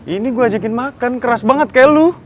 ini gue ajakin makan keras banget kayak lu